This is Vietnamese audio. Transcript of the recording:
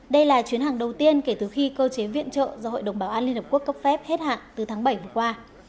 đây là chuyến hàng đầu tiên kể từ khi cơ chế viện trợ do hội đồng bảo an liên hợp quốc cấp phép hết hạn từ tháng bảy vừa qua